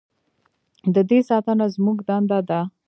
د دې ساتنه زموږ دنده ده